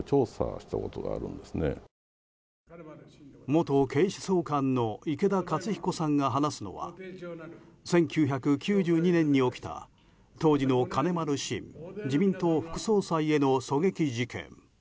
元警視総監の池田克彦さんが話すのは１９９２年に起きた当時の金丸信自民党副総裁への狙撃事件。